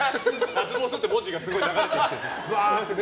ラスボスって文字がすごい流れてきて。